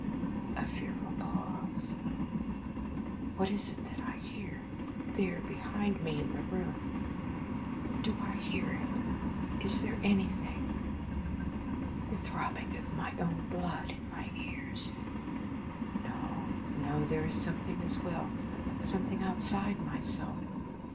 A fearful pause. What is that that I hear? There, behind me in the room? Do I hear it? Is there anything? The throbbing of my own blood in my ears. No, no! There is something as well, something outside myself.